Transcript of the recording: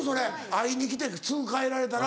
会いに来てすぐ帰られたら。